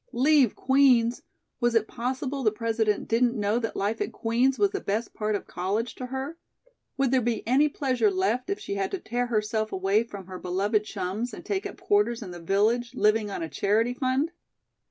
Leave Queen's! Was it possible the President didn't know that life at Queen's was the best part of college to her? Would there be any pleasure left if she had to tear herself away from her beloved chums and take up quarters in the village, living on a charity fund?